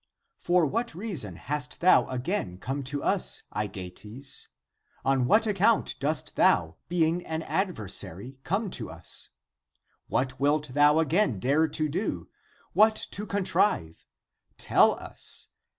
For what reason hast thou again come to us, Aegeates? On what account (p. 30) dost thou, being an adversary, come to us? What wilt thou again dare to do, what to contrive ? Tell us.